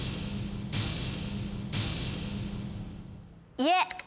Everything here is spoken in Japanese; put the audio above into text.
家。